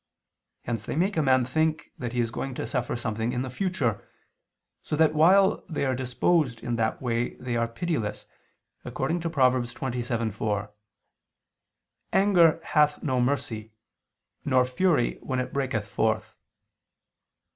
Hence they make a man think that he is going to suffer something in the future, so that while they are disposed in that way they are pitiless, according to Prov. 27:4: "Anger hath no mercy, nor fury when it breaketh forth."